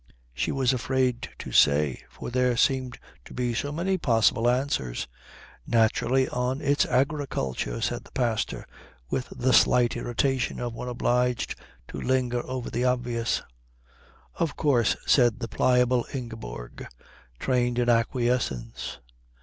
She was afraid to say, for there seemed to be so many possible answers. "Naturally on its agriculture," said the pastor, with the slight irritation of one obliged to linger over the obvious. "Of course," said the pliable Ingeborg, trained in acquiescence.